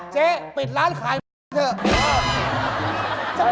เจ๊ปิดร้านขายเถอะ